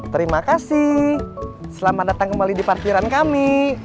terima kasih selamat datang kembali di parkiran kami